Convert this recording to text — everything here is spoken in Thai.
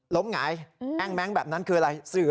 หงายแอ้งแม้งแบบนั้นคืออะไรสื่อ